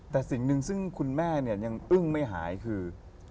แต่สิ่งหนึ่งซึ่งคุณแม่เนี่ยยังอึ้งไม่หายคือ